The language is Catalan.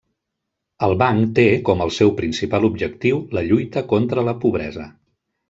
El Banc té com el seu principal objectiu la lluita contra la pobresa.